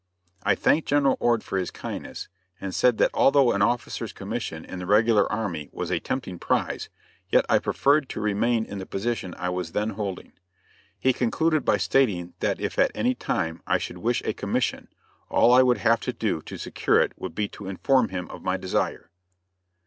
I thanked General Ord for his kindness, and said that although an officer's commission in the regular army was a tempting prize, yet I preferred to remain in the position I was then holding. He concluded by stating that if at any time I should wish a commission, all that I would have to do to secure it would be to inform him of my desire.